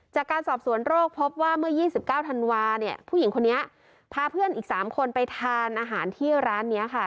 จากการสอบสวนโรคพบว่าเมื่อ๒๙ธันวาเนี่ยผู้หญิงคนนี้พาเพื่อนอีก๓คนไปทานอาหารที่ร้านนี้ค่ะ